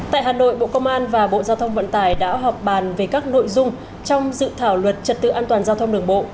tại hà nội bộ công an và bộ giao thông vận tải đã họp bàn về các nội dung trong dự thảo luật trật tự an toàn giao thông đường bộ